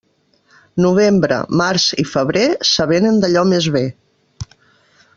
Novembre, març i febrer s'avenen d'allò més bé.